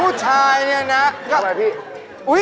ผู้ชายเนี่ยนะชอบอะไรพี่